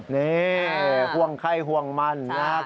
นี่ห่วงไข้ห่วงมันนะครับ